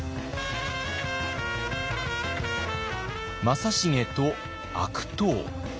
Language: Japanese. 正成と悪党。